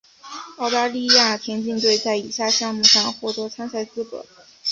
澳大利亚田径队在以下项目上获得参赛资格。